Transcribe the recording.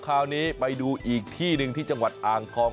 คราวนี้ไปดูอีกที่หนึ่งที่จังหวัดอ่างทอง